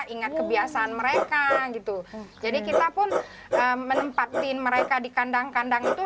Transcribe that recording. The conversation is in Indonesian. ingat kebiasaan mereka gitu jadi kita pun menempatkan mereka di kandang kandang itu